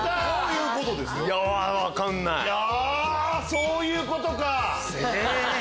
そういうことか！